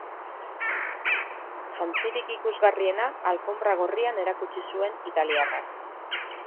Jantzirik ikusgarriena alfonbra gorrian erakutsi zuen italiarrak.